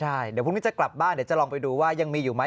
ใช่เดี๋ยวพรุ่งนี้จะกลับบ้านเดี๋ยวจะลองไปดูว่ายังมีอยู่ไหม